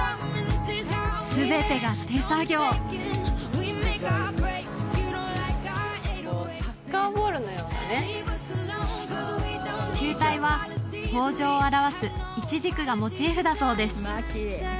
全てが手作業球体は豊じょうを表すイチジクがモチーフだそうです